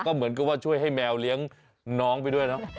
ก็เหมือนกับว่าช่วยให้แมวเลี้ยงน้องไปด้วยเนอะ